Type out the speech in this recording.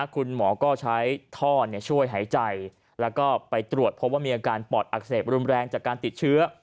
คุณหมอก็ใช้ท่อช่วยหายใจแล้วก็ไปตรวจพบว่ามีอาการปอดอักเสบรุนแรงจากการติดเชื้อ